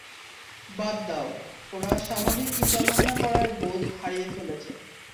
বাদ দাও, ওরা স্বাভাবিক চিন্তা ভাবনা করার বোধ হারিয়ে ফেলেছে।